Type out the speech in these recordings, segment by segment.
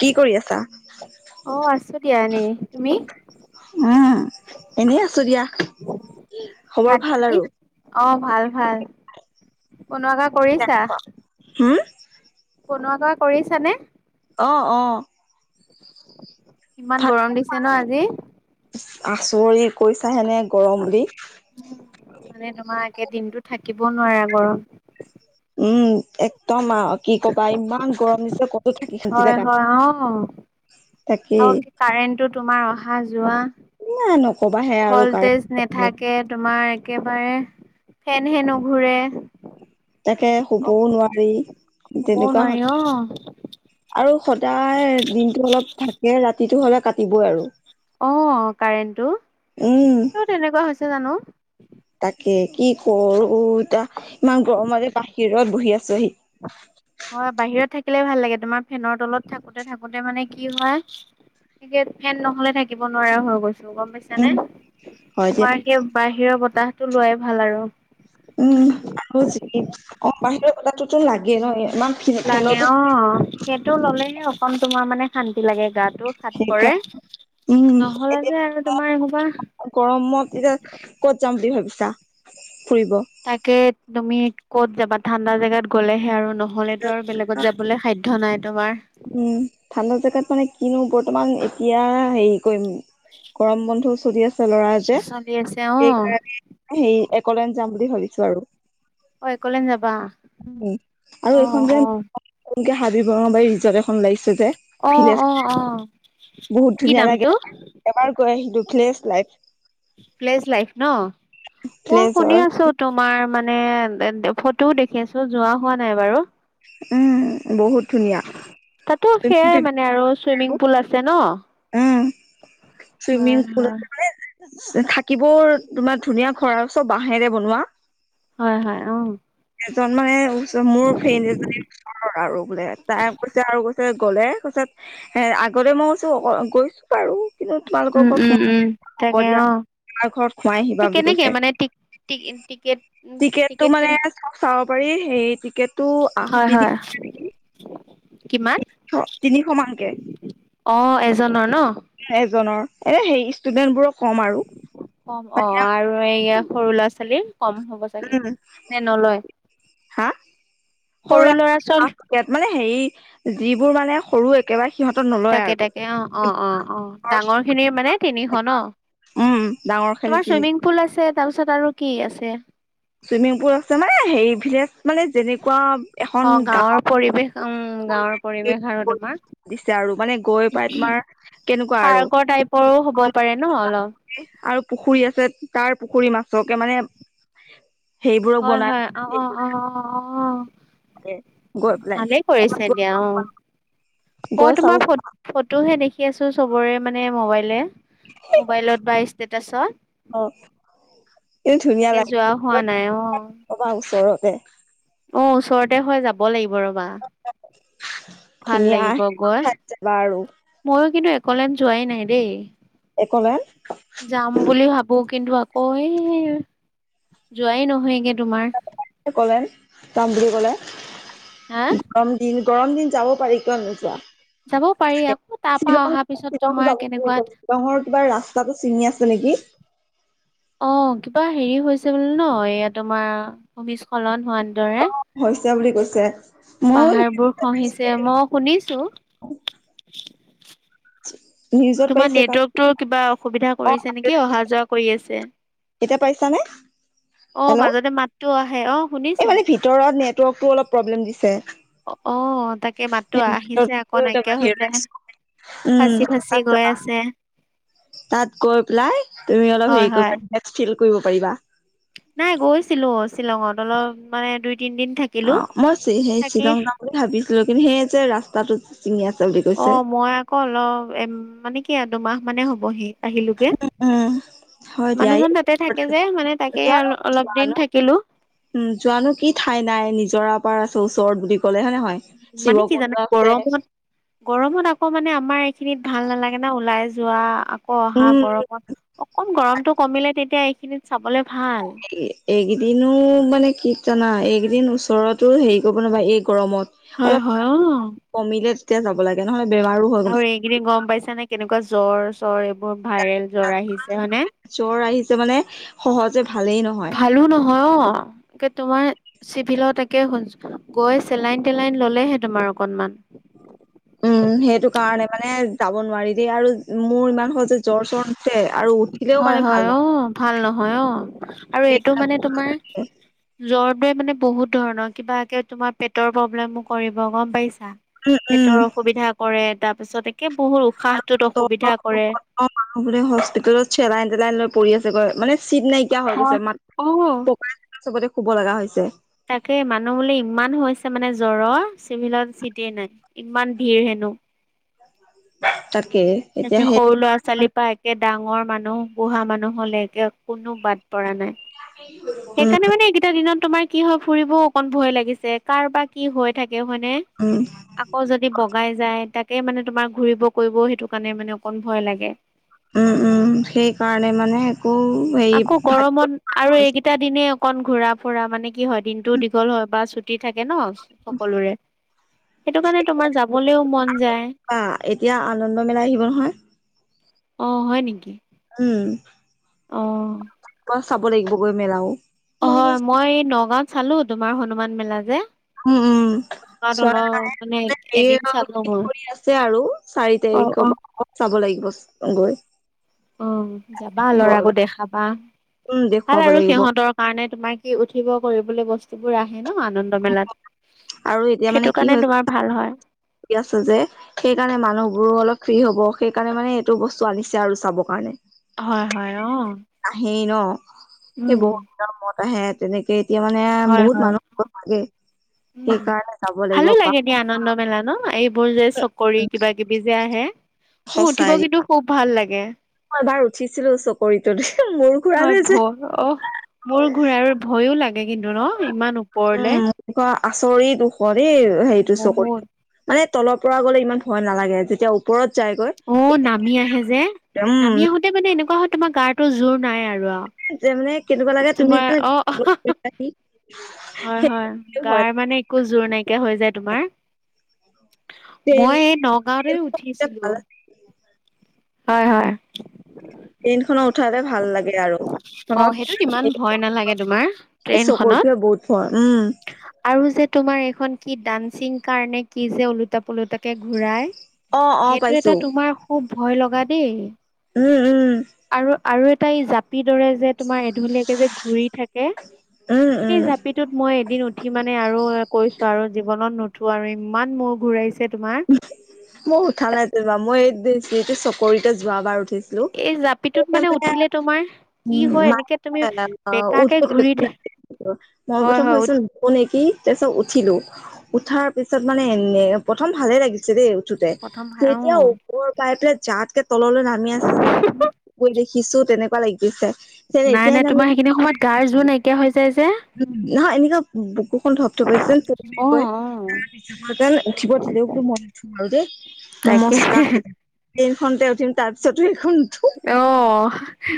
কি কৰি আছা? অহ', আছো দিয়া এনেই, তুমি। উম', এনেই আছো দিয়া খবৰ ভাত ভাল পানী। আৰু। অহ, ভাল ভাল। কোনুৱাকা কৰিছা। হুম, কোনুৱাকা কৰিছানে। অ', অ'। ইমান গৰম দিছে ন আজি। আচৰিত, কৈছাহেনে গৰম বুলি। দিব নোৱাৰে গৰম। উম', একদম আহ, কি কবা ইমান গৰম দিছে, ক। হয়', হয়', অহ'। তাকেই আৰু কাৰেণ্টটো তোমাৰ, অহা যোৱা। এ নকবাহে আৰু ভল্টেজ কাৰেণ্ট নাথাকে তোমাৰ, একেবাৰে ফেন হে নুঘোৰে। তাকে, শুবও নোৱাৰি। শুবও তেনেকুৱা হয় নোৱাৰি অহ'। আৰু সদায়, দিনটো অলপ থাকে ৰাতিটো হলে, কাটিবই আৰু। অহ', কাৰেণ্টটো, উম, কিয় তেনেকুৱা হৈছে জানো। তাকে, কি কৰো ইতা, ইমান গৰমতে বাহিৰত বহি আছো আহি। হয়, বাহিৰত থাকিলে ভাল লাগে তোমাৰ ফেনৰ তলত থাকোতে থাকোতে মানে কি হয়। তেতিয়া, ফেন নহলে থাকিব নোৱাৰা হৈ গৈছো গম পাইছা নে, উম, হয় দিয়া। বাৰ সিৰ বাহিৰৰ বতাহতটো লোৱাই ভাল আৰু। উম', আৰু যি অহ, বাহিৰৰ বতাহটোতো লাগে নহয়। লাগে অহ, সেইটো ল'লেহে অকন তোমাৰ মানে, শান্তি লাগে গাত। টো সাত সেইকা পৰে। উম', নহ'লে যে এতিয়া আৰু তোমাৰ [unintelligible] এসোপা গৰমত এতিয়া ক'ত। যাম বুলি ভাবিছা। ফুৰিব তাকে, তুমি ক'ত যাবা ঠাণ্ডা জেগাত গ'লেহে আৰু ন। নহ'লেতো আৰু বেলেগত যাবলৈ সাধ্য নাই তোমাৰ। উম ঠাণ্ডা জেগাত মানে কিনো, বৰ্তমান এতিয়া, হেৰি কৰিম, গৰম বন্ধও চলি আছে। ল'ৰা যে, চলি আছে অ সেইকাৰণে, সেই একলেন যাম বুলি ভাবিছো আৰু। অ', একলেন যাবা। উম', আৰু অ এইখন যে অ [unintelligible] হাবি বঙাবাৰী ৰিজৰ্ট এখন ওলাইছে। যে, অ ফিনে অ অ বহুত কি ধুনীয়া নামটো লাগে, এবাৰ গৈ আহিলো। ফ্ছ লাইফ। [unintelligible] লাইফ ন, মই শুনি ভিলেজৰ আছো তোমাৰ মানে। মানে, ফটোও দেখি আছো যোৱা হোৱা নাই বাৰু। উম বহুত ধুনীয়া তাতো সেইয়াই চুইমিং মানে আৰু চুইমিং পুল আছে ন উম হয় হয় থাকিব তোমাৰ ধুনীয়া ঘৰ আৰু চব বাঁহেৰে বনোৱা হয় হয় অ এজন মানে মোৰ ফ্ৰে ন এজনে আৰু বোলে তাই কৈছে আৰু কৈছে গ'লে তাৰিছত এ আগতে মই গৈছো অ গৈছো বাৰু কিন্তু তোমালোকৰ উম উম ঘৰত উম তাকে অ [unintelligible] খোৱাই আহিবা সেই বুলি কেনেকে কৈছে মানে টিক টিক টিকেট টিকেটটো টিকেট মানে কেনে চাব পাৰি সেই টিকেটটো হয় আহতি দি হয় কিমান তিশ তিনিশ মানকে অ এজনৰ ন এজনৰ এনে সেই ষ্টুডেণ্টবোৰক কম অ', আৰু এই সৰু ল'ৰা ছোৱালীৰ কম হ'ব চাগে উম নে নলয় হা, সৰু ল'ৰা ছোৱালী মানে হে যিবোৰ মানে সৰু একেবাৰে সিহঁতৰ নলয় তাকে, তাকে অ', অ', অ', অ', আৰু ডাঙৰ খিনিৰ মানে তিনিশ ন উম ডাঙৰ খেলি তোমাৰ তিনি চুইমিং পুল আছে তাৰপিছত আৰু কি আছে চুইমিং পুল আছে মানে হে ভিলেজ মানে যেনেকুৱা এখন অ গাঁৱৰ গাঁৱত পৰিৱেশ উম গাঁৱৰ পৰিৱেশ আৰু তোমাৰ দিছে আৰু মানে গৈ পাই তোমাৰ কেনেকুৱা আৰু পাৰ্কৰ টাইপৰো হ'ব পাৰে ন অলপ আৰু পুখুৰী আছে তাৰ পুখুৰী মাছকে মানে সেইবোৰক হয় হয় অ বনাই অ অ অ অ গৰ পেলাই ভালেই কৰিছে দিয়া অ [unintelligible] মই গৈ চাব তোমাৰ ফটোহে দেখি আছো চবৰে মানে মবাইলে মোবাইলত বা ষ্টেটাছত কিন্তু ধুনীয়া তাকে যোৱা হোৱা লাগে নাই আহ কবা ওচৰতে অ', ওচৰতে হৈ যাব লাগিব ৰবা। ভাল ধুনীয়া লাগিব গৈ ঠাইত যাবা আৰু মইো কিন্তু একলে যোৱাই নাই দেই একলেন যাম বুলি ভাবোঁ কিন্তু আকৌ এই যোৱাই নহয়গে তোমাৰ কলে তাম [unintelligible] হা গৰম দিন গৰম দিন যাব পাৰি কিয়নো যাব নোযোৱা পাৰি আকৌ তাৰ পৰা শ্বিলং, অহাৰ পিছত শ্বিলং তোমাৰ যাব কেনেকুৱা শ্বিলঙৰ কিবা ৰাস্তাটো ছিঙি আছে আ, নেকি অ', কিবা হেৰি হৈছে বো ন এয়া তোমাৰ ভূমিস্খলন হোৱাৰ দৰে হৈছে বুলি কৈছে ময়ো পাহাৰবোৰ খহিছে মই শুনিছোঁ নিউজত তোমাৰ পাইছে কাৰণ নেটৱৰ্কতটো কিবা অসুবিধা কৰিছে নেকি অহা যোৱা কৰি আছে কেতিয়া পাইছা নে অ', মাজতে মাতটো আহ এই মানে ভিতৰত নেটৱৰ্কতটো অলপ প্ৰব্লেম দিছে অ', তাকে মাতো আহিছে আকৌ নাইকিয়া হৈ যায় উম ফাঁচি, ফাচি তাত যাবা গৈ পেলাই তুমি অলপ হয় হেৰি হয় কৰিবা কৰিব পাৰিবা নাই গৈছিলো শ্বিলঙত অলপ মানে দুই তিনদিন থাকিলো অ', মই সেই থাকি শ্বিলং যাওঁ বুলি ভাবিছিলো কিন্তু সেই যে ৰাস্তাটো চিঙি আছে বুলি কৈছে অ', মই আকৌ অলপ এ মানে কি আৰু দুমাহ মানে হবহি আহিলোগে উম হয় দিয়া এই মানুহজন তাতে থাকে যে মানে তাকে জানো অলপ দিন জানো থাকিলো উম, যোৱানো কি ঠাই নাই নিজৰা পাৰ আছে ওচৰত বুলি ক মানে কি জানা গৰমত গৰমত আকৌ মানে আমাৰ এইখিনিত ভাল নালাগে ন ওলাই যোৱা ক অহা উম গৰমত অকন গৰমটো কমিলে তেতিয়া এইখিনিত চাবলৈ এইকেইদিনো মানে কি জানা এইকদিন ওচৰতো হেৰি কৰিব নবা এই গৰমত হয় হয় অ অলপ কমিলে তেতিয়া যাব লাগে নহলে বেমাৰো হয় গম আৰু এইকেইদিন গম পাইছানে কেনেকুৱা জ্বৰ চ্বৰ এইবোৰ ভাইৰেল জ্বৰ আহিছে হয়নে যে মানে সহজে ভালেই নহয় ভালো নহয় অ, এ তোমাৰ চিভিলত একে গৈ চেলাইন-টেলাইন ল'লেহে তোমাৰ অকণমান। উম, সেইটো কাৰণে মানে যাব নোৱাৰি দেই আৰু মোৰ ইমান সহজে জ্বৰ চ্বৰ নুঠে। আৰু উঠিলেও হয়, মানে ভাল হয়, নহয় অ' ভাল নহয় অ, আৰু এইটো মানে তোমাৰ জ্বৰ দোৱে মানে বহুত ধৰণৰ কিবা তোমাৰ পেটৰ প্ৰব্লেমো কৰিব গম পাইছ উম উম পেটৰ অসুবিধা কৰে, তাৰ পিছত একে পহুৰ উশাহটোত অসুবিধা কৰে। চেলাইন-তেলাইন লৈ পৰি আছে গৈ, মানে চিট নাইকিয়া হৈ গৈছে হয় মাত, অ'। পকা চবতে শুব লগা হৈছে। তাকে মানুহ বোলে ইমান হৈছে মানে জ্বৰৰ চিভিলত চিট নাই, ইমান ভিৰ হে ন [inaudible] এতিয়া সেই সৰু ল'ৰা-ছোৱালীৰ পৰা একে ডাঙৰ মানুহ, বুঢ়া মানুহলৈকে কোনো বাদ পৰা নাই। উম সেইকাৰণে মানে এইকেইটা দিনত তোমাৰ কি হয়, ফুৰিবও অকণ ভয় লাগিছে কাৰ বা কি হৈ থাক হয়নে, উম আকৌ যদি বগাই যায় তাক তে মানে তোমাৰ ঘূৰিব কৰিব সেইটো কাৰণে মানে অকণ ভয় লাগে। উম, উম, সেইকাৰণে মানে একো হেৰি আকৌ ভাবিব গৰমত আৰু এইকেইটা দিনে অকণ ঘূৰা-ফুৰা মানে কি হয় দিনটো দীঘল হয় বা ছুটি থাকে ন সকলোৰে। সেইটো কাৰণে তোমাৰ যাবলৈও মন যায়। বা এতিয়া আনন্দ মেলা আহিব নহয় অ, হয় নেকি? উম। অ। চাব লাগিব গৈ মেলাও হয়, মই নগাঁওত চালো তোমাৰ হনুমান মেলা যে। উম, নগাঁৱত উম অলপ মানে হে এদিন চালো মই কৰি আছে আৰু চাৰি অ অ তাৰিখৰ পৰা চাব লাগিব অ, গৈ অ, যাবা ল'ৰাকো দেখাবা। উম ভাল দেখুৱাব আৰু লাগিব সিহঁতৰ কাৰণে তোমাৰ কি উঠিব কৰিবলৈ বস্তুবোৰ আহে। ন আনন্দ মেলাত আৰু এতিয়া মানে সেইটো কি কাৰণে হৈ তোমাৰ ভাল হয়। আছে যে, সেইকাৰণে মানুহবোৰো অলপ ফ্ৰী হ'ব। সেইকাৰণে মানে এইটো বস্তু আনিছে আৰু চাব কাৰণে। হয়, হয়, অ'। আহেই ন, সেই উম বহুত দিনৰ মত আহে, তেনেকে এতিয়া মানে হয় বহুত হয় মানুহ ঘ লাগে উম, সেইকাৰণে যাব লাগিব ভালো পা লাগে দিয়া আনন্দ মেলা ন? এই মোৰ যে চকৰি কিবা-কিবি যে আহে, মোৰ উঠিব সঁচাই কিন্তু খুব ভাল লাগে। মই এবাৰ উঠিছিলো চকৰিটোত, মূৰ ঘূৰা হয় নাই ভ যে। অ মোৰ ঘূৰাৰ ভয়ো লাগে কিন্তু ন? ইমান ওপৰলে। আচৰি দুখৰি হেৰিটো চকুত, বহুত মানে তলৰ পৰা গ'লে ইমান ভয় নালাগে, যেতিয়া ওপৰত যায়গৈ অ' নামি আহে যে, নামি উম আহোতে মানে এনেকুৱা হয় তোমাৰ গাটো জোৰ নাই আৰু আও যে মানে কেনেকুৱা লাগে তোমাৰ অ তুমি হয়, হয়, যে ভয় গাৰ মানে একো জোৰ নাইকিয়া হৈ যায় তোমাৰ। মই নগাঁওতে উঠিছিলোঁ। হয়, হয়। [inaudible] ট্ৰেইন খনত উঠালে ভাল লাগে আৰু অ খনত সেইটোত ইমান ভয় নালাগে তোমাৰ এই ট্ৰেইনখনত চকৰ [unintelligible] বুতফৰ উম। আৰু যে তোমাৰ এইখন কি ডান্সিং কাৰ নে কি যে ওলোটা পোলোটাকে ঘূৰায়? অ অ সেইটো পাইছো এটা তোমাৰ খুব ভয় লগা দেই। উম উম। আৰু আৰু এটা এই জাপি দৰে যে তোমাৰ এধলীয়াকে যে ঘূৰি থাক কে উম সেই উম জাপিটোত মই এদিন উঠি মানে আৰু কৈছো আৰু জীৱনত নু আৰু ইমান মুৰ ঘূৰাইছে তোমাৰ মই উঠা নাই তেবা মই এই ডেচিটি চকৰিতে যোৱা বাৰ উঠেছিলো [inaudible] এই জাপিটোত মানে উঠিলে তোমাৰ কি হয় এনেকে তুমি বেকাকে ঘূৰি থাক মই হয় প্ৰথম হয় উঠ ভাবিছো নুপ নেকি তাৰপিছত উঠিলো উঠাৰ পিছত মানে এনে প্ৰথম ভালে লাগিছে দেই ঠুতে প্ৰথম অ তেতিয়া উপৰ পাইপে জাতকে তললৈ নামি আছে যে কৈ দেখিছো তেনেকুৱা লাগিছে। যেন নাই এতিয়াই নাই তোমাৰ নাজিম সেইখিনি সময়ত গাৰ জোৰ নাইকিয়া হৈ যায় যে [inaudible] উম। নহয় এনেকুৱা বুকুখন ধপধপাইছিল প অ [inaudible] কয় তাৰ পিছ যেন উঠিবই বলো মই [inaudible] আৰু দেই অ তাকে নমস্কাৰ ট্ৰেইন খনতে উঠিম তাৰপিছত অ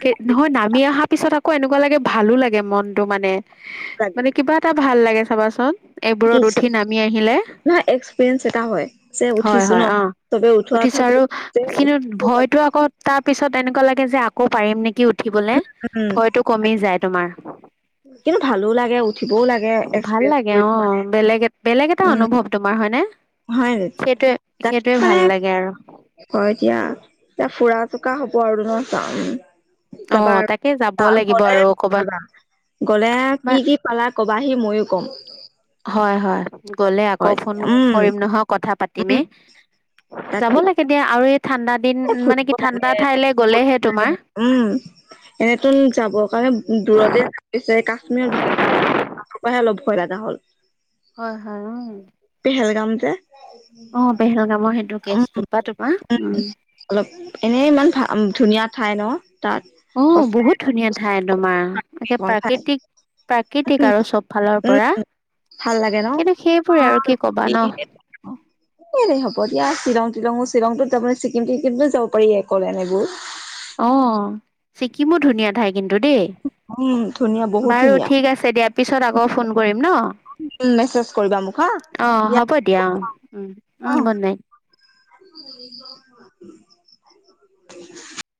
কি নহয় নামি আহা পিছত আক ক এনেকুৱা লাগে ভালো লাগে মনটো মানে মানে কিবা এটা ভাল লাগে চাবাচোন। এইবোৰত কিছু উঠি নামি আহিলে নহয় এক্সপিৰিয়েঞ্চ এটা হয় যে হয় উঠিছো ন হয় অ। চবে উঠোৱা উঠা উঠিছো আৰু কিন্তু ভয়তো আকৌ তা তা পিছত এনেকুৱা লাগে যে আকৌ পাৰিম নেকি উঠিবলে উম ভয়তটো কমি যায় তোমাৰ। কিন্তু ভালো লাগে উ ভাল লাগে অ বেলেগ এট বেলেগ এটা উম অনুভৱ তোমাৰ হয়নে! হয় সেইটোৱে তাত সেইটোৱে মানে ভাল লাগে আৰু হয় দিয়া এটা ফুৰা পকা হব আৰু ন [inaudible] অ তাকে যাব লাগিব গ'লে আৰু কবাত। যাবা গলে কি কি পালা কবাহি মইও ক'ম। হয় হয়। গলে আকৌ হয় ফোন উম কৰিম নহয় কথা উম পাতিমেই যাব তাকে লাগে দিয়া আৰু এই ঠাণ্ডা দিন এ মানে ফুৰিব কি লাগে ঠাণ্ডা ঠাইলে গ'লেহে তোমাৰ এনেতোন যাবৰ কাৰণে দূৰতে [inaudible] েছ কাশ্মীৰৰ বিশেষকে [inaudible] পৰাহে অলপ ভয় লগা হ'ল। হয় হয় উম। পেহেলগাম যে অ পেহেলগামৰ সেইটো উম কেচটো উম। পা তোমাৰ উম অলপ এনেই ইমান ভা উম ধুনীয়া ঠাই ন। তাত অ বহুত ধুনীয়া সঁচাখন ঠাই তোমাৰ একে ঠাই প্ৰাকৃতিক। প্ৰাকৃতিক উম আৰু চব ফালৰ উম পৰা। ভাল লাগে ন কিন্তু সেইবোৰে অ আৰু কি কবা ন [inaudible] এই হ'ব দিয়া শ্বিলং টিলংও শ্বিলংটোত যাবয়ে ছিকি্ম কিকিটো যাব পাৰি একোলেন এইবোৰ। অ' ছিকিমো ধুনীয়া ঠাই কিন্তু দেই। উম ধুনীয়া বহুত বাৰু ধুনীয়া ঠিক আছে দিয়া পিছত আকৌ ফোন কৰিম ন। উম মেছেজ কৰিবা মোক হা অ হ'ব দিয়া অ উম উম অ গুড নাইট। [inaudible]